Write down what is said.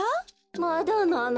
まだなの。